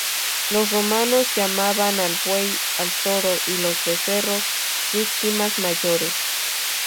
Los romanos llamaban al buey, al toro y los becerros, "víctimas mayores".